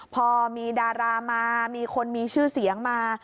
พอมีดารามามีคนมีชื่อเสียงมา